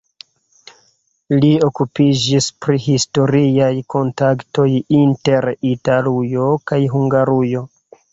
Li okupiĝis pri historiaj kontaktoj inter Italujo kaj Hungarujo.